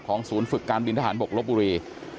ศูนย์ฝึกการบินทหารบกลบบุรี